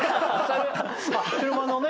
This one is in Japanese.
車のね